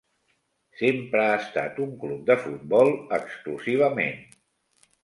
Sempre ha estat un club de futbol, exclusivament.